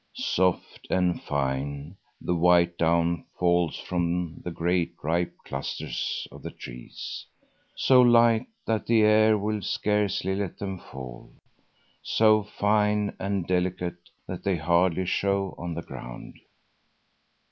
Soft and fine, the white down falls from the great ripe clusters of the trees,—so light that the air will scarcely let them fall, so fine and delicate that they hardly show on the ground.